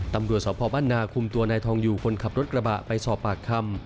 ตำรวจสพบ้านนาคุมตัวนายทองอยู่คนขับรถกระบะไปสอบปากคำ